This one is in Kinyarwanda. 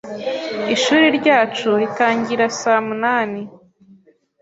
Ishuri ryacu ritangira saa munani.